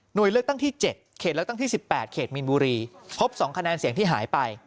โดยเลือกตั้งที่๗เขตเลือกตั้งที่๑๘เขตมีนบุรีพบ๒คะแนนเสียงที่หายไป